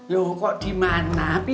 lho kok di mana epi